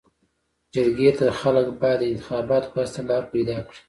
جرګي ته خلک باید د انتخاباتو پواسطه لار پيداکړي.